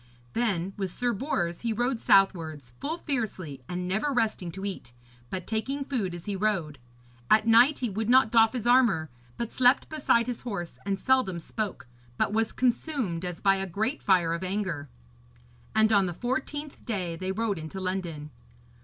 Then with Sir Bors he rode southwards, full fiercely, and never resting to eat, but taking food as he rode. At night he would not doff his armour, but slept beside his horse; and seldom spoke, but was consumed as by a great fire of anger. And on the fourteenth day they rode into London.